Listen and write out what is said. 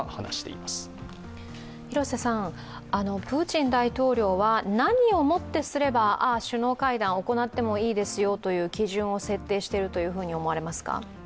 プーチン大統領は何をもってすれば、首脳会談を行ってもいいですよという基準を設定していると思われますか。